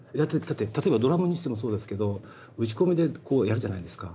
例えばドラムにしてもそうですけど打ち込みでやるじゃないですか。